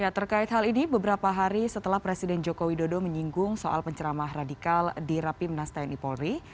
terkait hal ini beberapa hari setelah presiden joko widodo menyinggung soal penceramah radikal di rapimnas tni polri